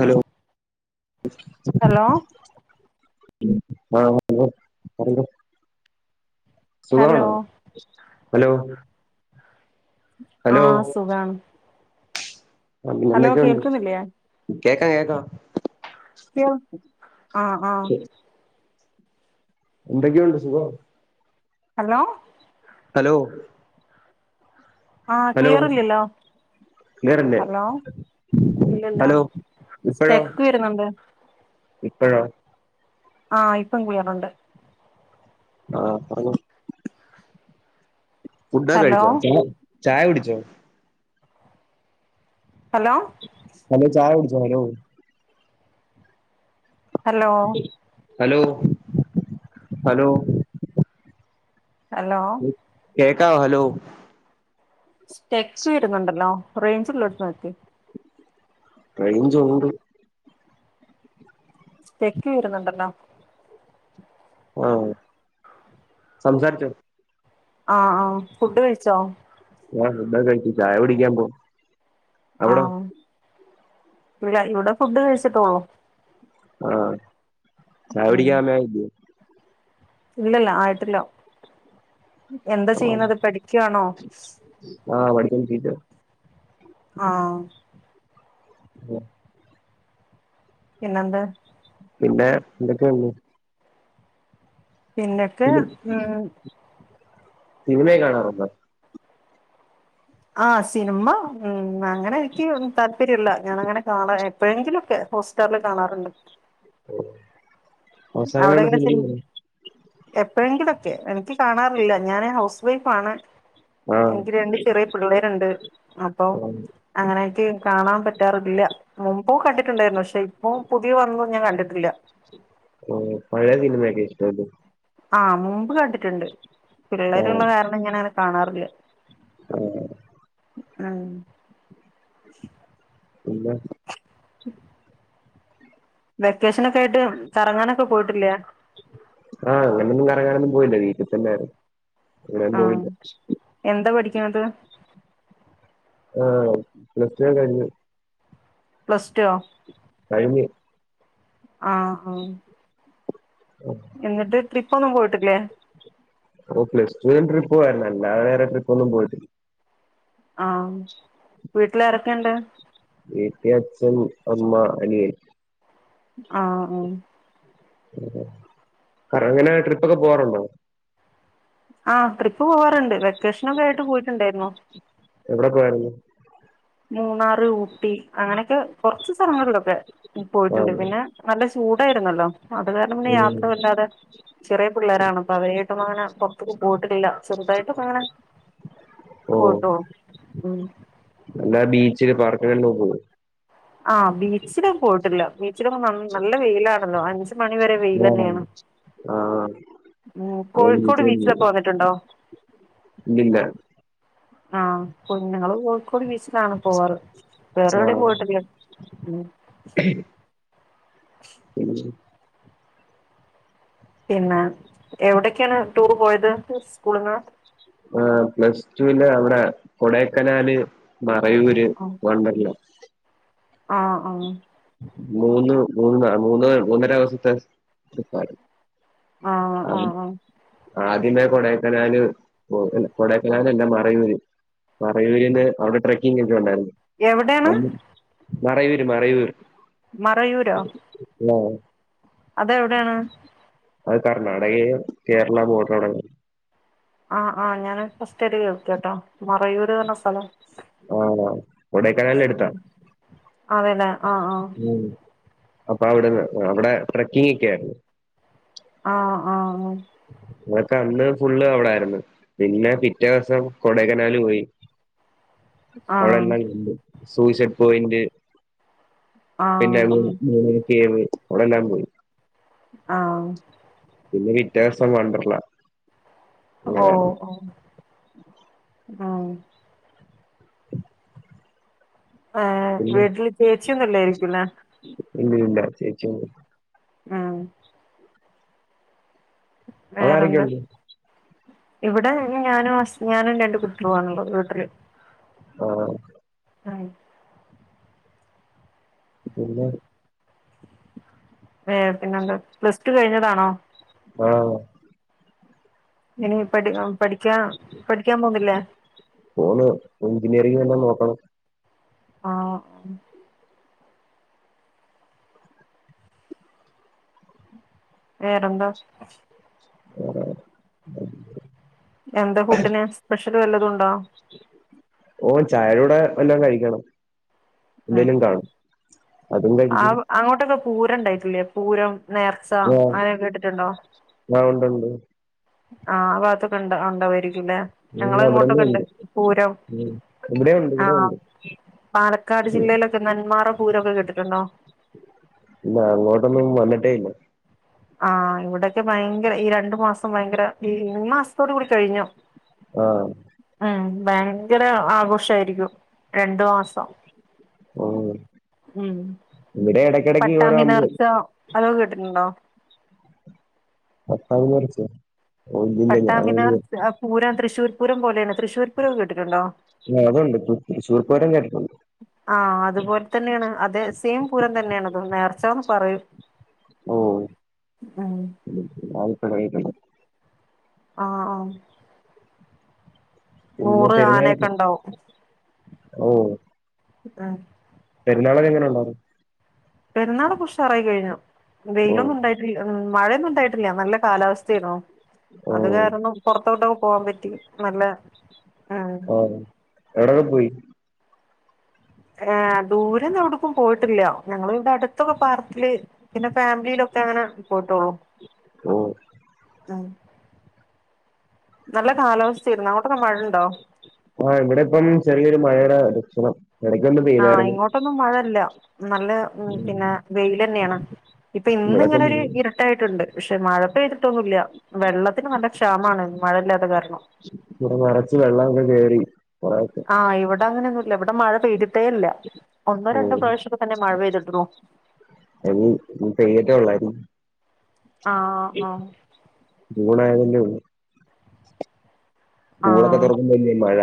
Hello hello ആഹ് hello പറയൂ hello സുഖാണോ? ഹലോ ഹലോ ആഹ് സുഖാണ് ആഹ് ഹലോ പിന്നെന്തെക്കെയുണ്ട് വിശേഷം കേൾക്കുന്നില്ലേ കേക്കാ കേക്കാ [unintelligible] ആഹ് ആഹാ എന്തെക്കെയുണ്ട് സുഖം ഹലോ ഹലോ ആഹ് ഹലോ ക്ലിയറില്ല്യല്ലോ? ക്ലിയറല്ലേ ഹലോ ഇല്ലല്ല ഹലോ സ്റ്റെക്ക് വെരുന്നുണ്ട് ഇപ്പഴൊ? ആ ഇപ്പം ക്ലിയറുണ്ട് ആ പറഞ്ഞൊ ഫുഡൊക്കെ ഹലോ കഴിച്ചോ ച ചായ കുടിച്ചോ? ഹലോ ഹലോ ചായകുട്ചോ? Hello hello hello hello hello കേക്കാവോ? ഹലോ സ്റ്റെക്ക് വെരുന്നുണ്ടല്ലോ റെയ്ഞ്ച്ള്ളോട്ത്ത് ന്ക്ക് റെയ്ഞ്ചുണ്ട് സ്റ്റെക്ക് വെരുന്നുണ്ടല്ലോ? ആഹ് സംസാരിച്ചോ ആഹ് ആഹ് ഫുഡ് കഴിച്ചോ ആഹ് ഫുഡൊക്കെ കഴിച്ചു ചായ കുടിക്കാൻ പോ ആഹ് ഇവിടെ ഇവിടെ ഫുഡ് കഴിച്ചിട്ടൊള്ളൂ ആഹ് ഉം ചായകുടിക്കാമേ ഇല്ലല്ല ആയിട്ടില്ലോ എന്താ ആഹ് ചെയ്യുന്നത് പഠിക്കാണോ ആഹ് പടിച്ചോണ്ടിരിക്ക ആഹ് ഉം പിന്നെന്ത് പിന്നെ എന്തൊക്കെയ പിന്നൊക്കെ ഫിലിം ഉം സിനിമയൊ കാണാറുണ്ടോ ആഹ് സിനിമ ഉം അങ്ങനെ എനിക്ക് താല്പര്യല്ല ഞാനങ്ങനെ കാണാൻ എപ്പോഴെങ്കിലൊക്കെ പോസ്റ്ററില് കാണാറുണ്ട് അവിടെ എങ്ങനെ സിനി [unintelligible] എപ്പോഴെങ്കിലൊക്കെ എനിക്ക് കാണാറില്ല ഞാന് ഹൗസ് വൈഫാണ് ആഹ് എനിക്ക് രണ്ട് ചെറിയ പിള്ളേരുണ്ട് അപ്പൊ ആഹ് അങ്ങനെയൊക്കെ കാണാൻ പറ്റാറില്ല മുമ്പ് കണ്ടിട്ടുണ്ടായിരുന്നു പക്ഷെ ഇപ്പം പുതിയ വന്നും ഞാൻ കണ്ടിട്ടില്ല ആഹ് പഴയ സിനിമെക്ക ഇഷ്ടൊല്ലെ ആഹ് മുമ്പ് കണ്ടിട്ടുണ്ട് ആഹ് പിള്ളേരുള്ള കാരണം ഇങ്ങനെ അങ്ങനെ കാണാറില്ല ആഹ് ആഹ് [inaudible] പിന്നെ [inaudible] വെക്കേഷനൊക്കെ ആയിട്ട് കറങ്ങാനൊക്കെ പോയിട്ടില്ലേ ആഹ് അങ്ങനൊന്നും കറങ്ങാനൊന്നും പോയില്ല വീട്ടിൽ തന്നൊയിരുന്നു അങ്ങനെയന്നും ആ പോയില്ല എന്താ പഠിക്കുന്നത് ആഹ് പ്ലസ്റ്റുക്കെ കഴിഞ്ഞു പ്ലസ് ടു കഴിഞ്ഞ് ആഹ് ഓ എന്നിട്ട് ട്രിപ്പൊന്നും പോയിട്ടില്ലേ ഓ പ്ലസ് ടു ൻ ട്രിപ്പ് പോയിരുന്നു എല്ല വേറെ ട്രിപ്പ് ഒന്നും പോയിട്ടില്ല ആഹ് വീട്ടിലാരൊക്കെയുണ്ട് വീട്ടി അച്ഛൻ അമ്മ അനിയൻ ആഹ് ആഹ് അങ്ങനെ ട്രിപ്പൊക്കെ പോവാറുണ്ടോ ആഹ് ട്രിപ്പ് പോവാറുണ്ട് വെക്കേഷനൊക്കെ ആയിട്ട് പോയിട്ടുണ്ടായിരുന്നു എവിടെ പോയായിരുന്നു മൂന്നാറ് ഊട്ടി അങ്ങനെയൊക്കെ കുറച്ച് സ്ഥലങ്ങളിലൊക്കെ പോയിട്ടുണ്ട് ആഹ് പിന്നെ- നല്ല ചൂടായിരുന്നല്ലോ അത് കാരണം പിന്നെ ഉം യാത്ര വല്ലാതെ ചെറിയ പിള്ളരാണ് അപ്പൊ അവരെയായിട്ടും അങ്ങനെ പുറത്തക്കും പോയിട്ടില്ല ചെറുതായിട്ടും അങ്ങനെ [unintelligible] ഉം നല്ല ബീച്ചില് പാർക്കില്ലെല്ലാം പോവും ആഹ് ബീച്ചിലൊ പോയിട്ടില്ല ബീച്ചിലൊക്കെ നല്ല വെയിലാണല്ലോ അ അഹ് മണി വരെ വെൽ തന്നെയാണ് ആഹ് ഉപ കോഴിക്കോട് ബീച്ചിലൊക്കെ വന്നിട്ടുണ്ടോ ഇല്ല ആഹ് കുഞ്ഞുങ്ങള് കോഴിക്കോട് ബീച്ചിലാണ് പോവാറ് വേറെ എവിടെും പോയിട്ടില്ല ഉ ഹ ഹ് പിന്നെ എവിടൊക്കെയാണ് ടൂർ പോയത് സ്കൂളിന്ന് ആ പ്ലസ് ടുല് അവിടെ കൊടൈക്കനാല് മറയൂര് വണ്ടർല്ലാ ആഹ് ആഹ് മൂന്ന് മൂന്ന് മൂന്ന മൂന്നര ദിവസത്തെ- ആഹ് ആ ആഹ് ആഹ് ആദ്യമേ കൊടക്കനാല് കൊടക്കനാല എല്ലാം മറയൂര് മറയൂരിന്റെ അവിടെ ട്രക്കിങ് ഒക്കെ എവിടെയാണ് ണ്ടായിരുന്നു മറയൂര് മറയൂർ മറയൂരോ? ഹലോ അതെവിടെയാണ്? അത് കർണ്ണാടകയും കേരള ബോർഡോട- ആഹ് ആഹ് ഞാൻ ഫസ്റ്റ കേൾക്ക കേട്ടോ മറയൂ- ആഹ് കൊടക്കനല്ല അടുത്താ അവതെല്ലെ ആഹ് ആ ഉം. അപ്പൊ അവിടെന്ന് അവിടെ ട്രക്കിങ് ഒക്കെ ആയിരുന്നു ആഹ് ആഹ് ആഹ് ന്നട്ട് അന്ന് ഫുള്ള് അവിടൊയിരുന്നു പിന്നെ പിറ്റേ ദിവസം കൊടക്കനാൽ പോയി ആഹ് അവിടെല്ലാംണ്ട് സൂയിസഡ് പോയിന്റ് ആഹ് പിന്നെ മൂ ആഹ് മൂ അവിടെല്ലാം പോയി ആഹ് പിന്നെ പിറ്റേ ദിവസം വണ്ടർല ഓ അങ്ങനെയായിരുന്നു ഓ ആ [inaudible] ഏ വീട്ടില് ചേച്ചിയൊന്നും ഇല്ലായിരിക്കൂല്ലെ ഇല്ല ഇല്ല ചേചിയൊന്നുല്ല ഉം അവിടെ വേറെന്ത ആരൊക്കെയുണ്ട് ഇവിടെ ഞാനും ഹസ് - ഞാനു രണ്ട് കുട്ടില്ണുള്ളത് വീട്ടില് ആഹ് ആ. പിന്നേ ഏ പിന്നെ എന്താ പ്ലസ്റ്റു കഴിഞ്ഞതാണോ? ആഹ. ഇനി പഠി പഠിക്കാ പഠിക്കാൻ പോന്നില്ലേ? പോണം എഞ്ചിനീയറിംഗ് എല്ല നോക്കണം. ആഹ. വേറെന്താ. വേറെ [unintelligible] എന്താ ഫുഡിന് സ്പെഷ്യല് വല്ലതുണ്ടോ? ഓ ചായൂടെ വല്ലോ കഴിക്കണം. ഉം എന്തേലും കാണും അതും കഴിക്കും. ആഹ് അങ്ങോട്ടൊക്കെ പൂരം ഉണ്ടായിട്ടില്ലേ പൂരം നേർച്ച ആ അങ്ങനെയൊക്കെ കേട്ടിട്ടുണ്ടോ? ആ ഉണ്ട്ണ്ട്. ആഹ് ഭാഗത്തൊക്കെ ഇണ്ട ഉണ്ടാവായിരിക്കുംല്ലേ? ഉം ഞങ്ങളെ അവിടെന്നെ ഇങ്ങോട്ടൊക്കെ ഇണ്ട് ഉണ്ട് പൂരം ഉം ഇവിടെ ഉണ്ട് ഇവിടെ ആഹ. ഉണ്ട് പാലക്കാട് ജില്ലയിലൊക്കെ നന്മാറ പൂരോക്കെ കേട്ടിട്ടുണ്ടോ? ഇ അങ്ങോട്ടൊന്നും വന്നിട്ടേ ഇല്ല. ആഹ് ഇവെടെക്കെ ഭയ്ങ്കര ഈ രണ്ടു മാസം ഭയ്ങ്കര ഈ ഈ മാസത്തോട് കൂടി കഴിഞ്ഞു. ആഹ് ഉം ഭയ്ങ്കര ആഘോഷായിരിക്കും രണ്ടു മാസം. ഉം. ഇവടെ എടെ പട്ടാമ്പി നേർച്ച അതൊക്കെ കട്ടിട്ണ്ടോ? പട്ടാമ്പി നേർച്ചെ. പട്ടാമ്പി നേർ ഏഹ് പൂരം തൃശൂർ പൂരം പോലേണ് തൃശൂർ പൂരൊകെ കേട്ടിട്ടുണ്ടോ? യാ അതൊണ്ട് തൃശ്ശൂർ പൂരം കേട്ടിട്ടൊണ്ട്. ആഹ് അതുപോൽതെന്ന്യാണ് അതെ സെയിം പൂരം തന്ന്യാണിതും നേർചാന്ന് പറയും. ഓഹ് ഉം ആദ്യ യിട്ടാ കേൾക്ന്ന്. ആഹ് ആഹ് പിന്നെ നൂറ് ആനെക്കെ പെരുന്നാളൊക്കെ ഇണ്ടാവും ഉം. പെര്നാളൊക്കെ എങ്ങനെ ഒണ്ടാർന്ന്. പെര്ന്നാളൊക്കെ ഉഷാറായി കഴിഞ്ഞു ഓ വെയിലൊന്നും ഉണ്ടായി ഉം മഴെന്നും ഇണ്ടായ്ട്ടില്ല നല്ല കാലാവസ്ഥ്യിര്ന്നു ഓ അത് കാരണം. പൊർത്തോട്ടൊക്കെ പോവാൻ പറ്റി നല്ല ഉം. ആഹ് എവടെകെ പൊയി. ഏഹ് ദൂരൊന്നും എവ്ടിക്കും പോയിട്ടില്ല ഞങ്ങള് ഇവിടെ അടുത്തൊക്കെ പാർക്ക്ല്. പിന്നെ ഫാംലീലൊക്കെ അങ്ങനെ പോയിട്ടൊള്ളൂ ഓ ഉം. നല്ല കാലാവസ്ഥേയ്ര്ന്നു അങ്ങോട്ടൊക്കെ മഴണ്ടോ. ആഹ് ഇവിടെ ഇപ്പം ചെറിയൊരു മഴേടെ ലക്ഷണം. [unintelligible] ആഹ് ഇങ്ങോട്ടൊന്നും മഴല്ല നല്ല പിന്നെ വെയിലെന്ന്യാണ്. ഇപ ഇന്ന് ഇവിടൊക്കെ ഇങ്ങനെ ഒര് ഇര് ട്ടയിട്ടൊണ്ട് പഷെ മഴ പെയ്തിട്ടൊന്നുല്ല്യ വെള്ളത്തിന് നല്ല ക്ഷാമാണ് മഴല്ലാത്ത കാരണം. ബടെ കൊറച്ച് വെള്ളോക്കെ കേറി കൊറേക്കെ. ആഹ് ഇവിടെ അങ്ങനെന്നുല്ല ഇവിടെ മഴ പെയ്തിട്ടേ ഇല്ല ഒന്നോ ഓ രണ്ടോ പ്രാവശ്യൊക്കെ തന്നെ മഴ പെയ്തിട്ടുള്ളൂ. [unintelligible] ആഹ് ഹ ജൂണായതല്ലേ ഒള്ളൂ സ്കൂളൊക്കെ ആഹ് തൊറക്കുമ്പല്ലെ മഴ.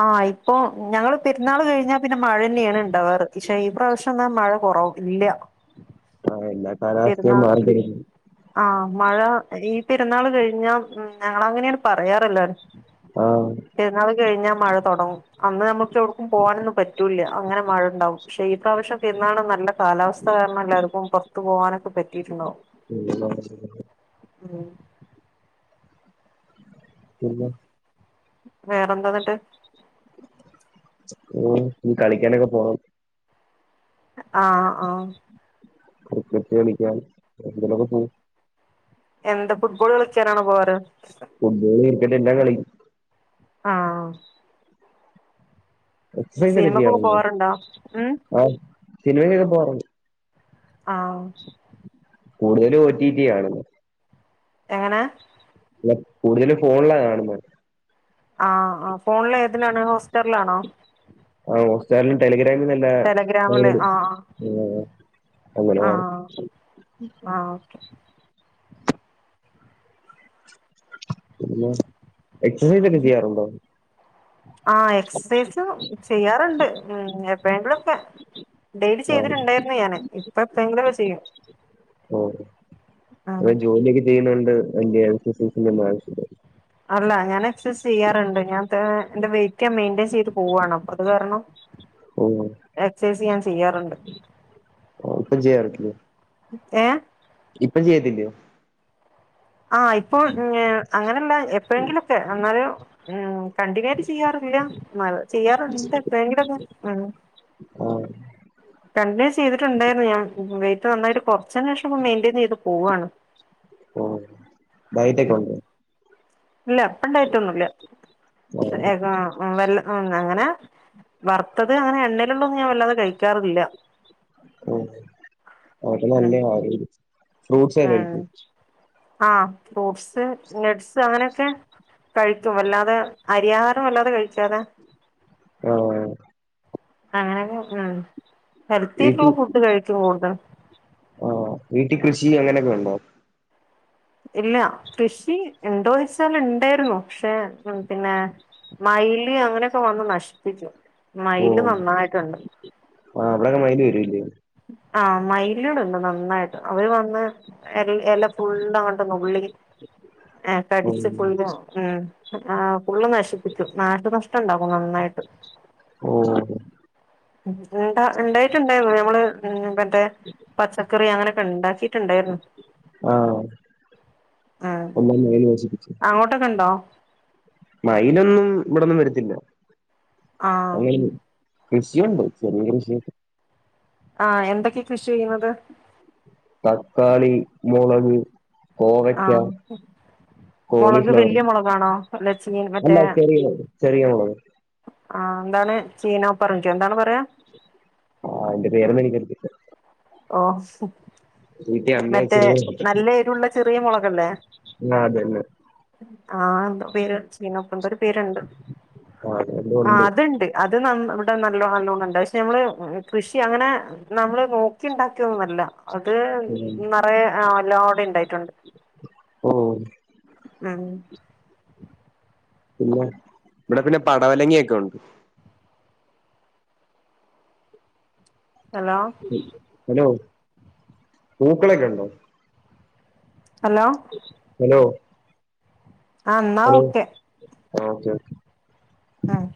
ആഹ് ഇപ്പൊ ഞങ്ങള് പെര്ന്നാള് കഴിഞ്ഞാ പിന്നെ മഴെന്ന്യേണ് ഇണ്ടവാറ് പക്ഷെ ഈ പ്രാവശ്യന്നാൽ മഴ കൊറ ഇല്ല ആഹ് എല്ലാ പെരുന്നാ കാലാവസ്ഥയും ഉം മാറിക്കിടക്കും ആഹ് മഴ ഈ പെര്ന്നാൾ കഴിഞ്ഞാ ഉം ഞങ്ങളങ്ങനേണ് പറയാറ് എല്ലാരും ആഹ് പെര്ന്നാള് കഴിഞ്ഞാ മഴ തൊടങ്ങും അന്ന് അമ്മക്ക് എവ്ട്ക്കും പോവാനൊന്നും പറ്റൂല്ല്യ അങ്ങനെ മഴണ്ടാവും പക്ഷേ ഈ പ്രാവശ്യം പെരുന്നാളിന് നല്ല കാലാവസ് ഥ കാരണം എല്ലാർക്കും പൊർത്ത് പോവാനൊക്കെ പറ്റീര്ന്നു പിന്നെ പിന്നെ വേറെന്താന്നിട്ട് ഓ നി കളിക്കാനൊക്കെ പോണം ആഹ് ആഹ് ക്രിക്കറ്റ് കളിക്കാൻ എങ്ങോട്ടേലൊക്കെ പോം എന്താ ഫുട്ബോൾ കളിക്കാനാണോ പോവാറ് ഫുട്ബോള് ക്രിക്കറ്റ് എല്ലാ കളിം ആഹ് സിനിമക്കൊക്കെ പോവാറുണ്ടോ ഉം ആഹ് സിനിമക്കൊക്കെ പോവാറുണ്ട് ആഹ് കൂടുതലും ഒ ടി ടിയാ കാണുന്നെ എങ്ങനാ അല്ല കൂടുതലും ഫോണിലാ കാണുന്നെ ആഹ് അഹ് ഫോണില് ഏതിനാണ് ഹോട്സ്റ്റാറിലാണോ ഹോട്സ്റ്റാറിലും ടെലിഗ്രാമിൽ നല്ല ടെലഗ്രാമില് ആഹ് [unintelligible] അങ്ങനെ കാണും ആഹ് ആഹ് ഓക്കെ പിന്ന എക്സസൈസ് ഒക്കെ ചെയ്യാറുണ്ടോ ആഹ് എക്സസൈസ് ചെയ്യാറിണ്ട് ഉം എപ്പഴെങ്കിലൊക്കെ ഡെയ്ലി ആ ചെയ്തിട്ടിണ്ടായിരുന്നു ഞാന് ഇപ്പ എപ്പഴെങ്കിലും ഒക്കെ ചെയ്യും ഓഹ് ആഹ് ഇവിടെ ജോലിയൊക്കെ ചെയ്യുന്നൊണ്ട് വലിയ [unintelligible] ആവശ്യല്ല അല്ല ഞാൻ എക്സൈസ് ചെയ്യാറെണ്ട് ഞാൻ ത് എന്റെ വെയിറ്റ് ഞാൻ മെയ്ന്റെയ്ൻ ചെയ്ത് പോവുവാണ് അപ്പ അത് കാരണം [unintelligible] എക്സൈസ് ഞാൻ ചെയ്യാറെണ്ട് ആ, ഇപ്പം ചെയ്യാറില്ലേ ഏഹ് ഇപ്പം ചെയ്യത്തില്ലയൊ ആഹ് ഇപ്പൊ ങേഹ് അങ്ങനെല്ലാ എപ്പഴെങ്കിലൊക്കെ എന്നാല് ഉം കണ്ടിന്യൂ ആയിട്ട് ചെയ്യാറില്ല എന്നാലും ചെയ്യാറിണ്ട് എപ്പഴെങ്കിലൊക്കെ ആഹ് കണ്ടിന്യൂ ചെയ്തിട്ടുണ്ടായിരുന്നു ഞാൻ വെയിറ്റ് നന്നായിട്ട് കുറച്ചേന് ശേഷം ഇപ്പൊ മെയിന്റയിൻ ചെയ്ത് പോവാണ് ഓഹ് ഡയ്റ്റക്ക ഒണ്ട് ഇല്ല ഇപ്പം ഡയ്റ്റൊന്നും ഇല്ല ആ [unintelligible] വെൽ അഹ് അങ്ങനെ വറ ത്തത് അങ്ങനെ എണ്ണയിലുള്ളതൊന്നും ഞാൻ വല്ലാതെ കഴിക്കാറില്ല ഓഹ് അത് നല്ല ഉം [unintelligible] ഫ്രൂട്ട്സ് ഒക്കെ കഴിക്കു ആഹ് ഫ്രൂട്ട്സ് നട്സ് അങ്ങനൊക്കെ കഴിക്കും വല്ലാതെ അരിയാഹാരം വല്ലാതെ കഴിക്കാതെ ഓഹ് അങ്ങനെന്നെ ഉം ഹെൽത്തീട്ടുള്ള ഫുഡ് കഴിക്കും കൂടുതൽ ആഹ് വീട്ടി കൃഷി അങ്ങനൊക്കെ ഉണ്ടോ ഇല്ല കൃഷി ഇണ്ടോയ്ച്ചാൽ ഇണ്ടായിരുന്നു പക്ഷേ പിന്നേ മയില് അങ്ങനെക്കെ വന്ന് നശിപ്പിക്കും മയില് നന്നായിട്ടുണ്ട് ആഹ് അവിടെക്ക മയില് വരും ഇല്ല്യോ ആഹ് മയില് തിന്നും നന്നായിട്ട് അവര് വന്ന് എല എല ഫുള്ളങ്ങ ട്ട് നുള്ളി എഹ് കടിച്ച് ഫുള്ളും ഉം ആഹ് ഫുള്ളു നശിപ്പിക്കും നാശ നഷ്ട്ടം ഇണ്ടാകും നന്നായിട്ട് ഓഹ് ഇണ്ടാ ഇണ്ടായിട്ടുണ്ടായിര്ന്നു ഞമ്മള് ഉം മറ്റേ പച്ചക്കറി അങ്ങനെക്കെ ഇണ്ടാക്കിട്ടിണ്ടായിരുന്നു ആഹ് ഉം [unintelligible] നശിപ്പിച്ചു അങ്ങോട്ടൊക്കെ ഉണ്ടോ മയിലൊന്നും ഇവിടൊന്നും വരത്തില്ല ആഹ് അങ്ങനൊന്നും കൃഷിയുണ്ട് ചെറിയ കൃഷിയൊക്കെ ആഹ് എന്തൊക്കെ കൃഷിയ ചെയ്യുന്നത് തക്കാളി മൊളക് കോവയ്ക്ക ആഹ് മുളക് കോളിഫ്ലവറ് വല്യ മുളകാണോ അല്ല ചീ അല്ല ചെറിയത് ചെറിയ മൊളക് ആഹ് എന്താണ് ചീന പർങ്കിയൊ എന്താണ് പറയാ ആഹ് അയിന്റെ പേരൊന്നും എനിക്കറിയത്തില്ല ഓഹ് വീട്ടിൽ അമ്മ മറ്റേ ചെറിയ നല്ല എരുവുള്ള ചെറിയ മൊളകല്ലേ ആ അതെന്നെ ആഹ് എന്താ പേര് ചീനപ്പന്തരു പേരുണ്ട് ആ അതെല്ലാം ആ ഉണ്ട് അത്ണ്ട് അത് ന ഇവിടെ നല്ല നല്ലോണണ്ട് പക്ഷെ നമ്മള് കൃഷി അങ്ങനെ നമ്മള് നോക്കി ഇണ്ടാക്കിയൊന്നല്ല അത് ഉം. നറയെ എല്ലാടെ ഇണ്ടായിട്ടുണ്ട് ഓ ഉം പിന്നെ ഇവിടെ പിന്നെ പടവലങ്ങിയൊക്കെ ഉണ്ട് ഹലോ ഹലോ പൂക്കളെക്കെ ഉണ്ടോ ഹലോ ഹലോ ആ ഇന്നാ ഹലോ ഓക്കെ ഓക്കെ ഓക്കേ ആഹ്